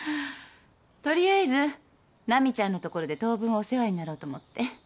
取りあえずナミちゃんのところで当分お世話になろうと思って。